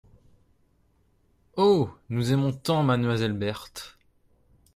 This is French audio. Oh ! nous aimons tant mademoiselle Berthe !…